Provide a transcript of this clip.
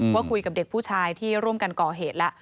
ว่าคุยกับเด็กผู้ชายที่ร่วมกันก่อเหตุแล้ว